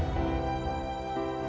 saya gak terima